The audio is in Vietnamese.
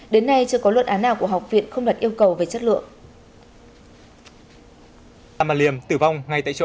đến nay chưa có luận án nào của học viện không đặt yêu cầu về chất lượng